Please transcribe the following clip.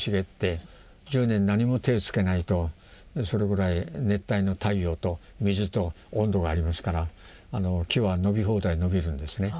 １０年何も手を付けないとそれぐらい熱帯の太陽と水と温度がありますから木は伸び放題伸びるんですね。